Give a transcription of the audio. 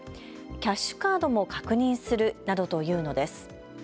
キャッシュカードも確認するなどと言うのです。